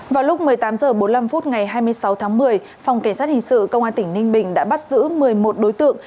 vào lúc một mươi tám h bốn mươi năm ngày hai mươi sáu tháng một mươi phòng cảnh sát hình sự công an tỉnh ninh bình đã bắt giữ một mươi một đối tượng